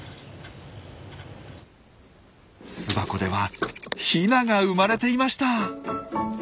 巣箱ではヒナが生まれていました！